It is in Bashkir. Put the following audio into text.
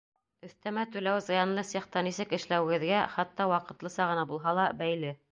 Өҫтәмә түләү «зыянлы» цехта нисек эшләүегеҙгә, хатта ваҡытлыса ғына булһа ла, бәйле.